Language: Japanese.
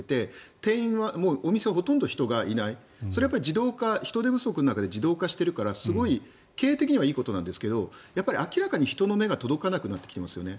店員はもうお店はほとんど人がいないそれは人手不足の中で自動化しているからすごい経営的にはいいことなんですけど明らかに人の目が届かなくなってきてますよね。